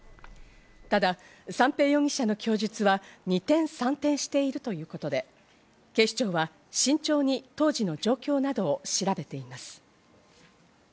ただ三瓶容疑者の供述は二転三転しているということで、警視庁は慎重に当時の状況などを調べています。